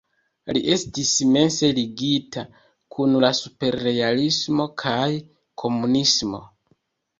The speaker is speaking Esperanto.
Li estis mense ligita kun la superrealismo kaj komunismo.